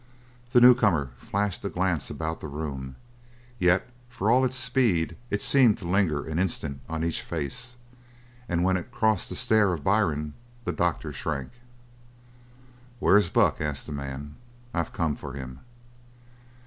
The newcomer flashed a glance about the room, yet for all its speed it seemed to linger an instant on each face, and when it crossed the stare of Byrne the doctor shrank. "Where is Buck?" asked the man. "I've come for him!"